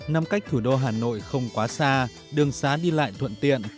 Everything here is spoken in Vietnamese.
nằm cách thủ đô hà nội không quá xa đường xá đi lại thuận tiện